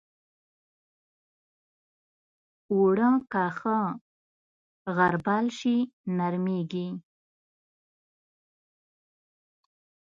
اوړه که ښه غربال شي، نرمېږي